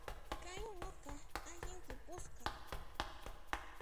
Kay unuqa allin t'impusqan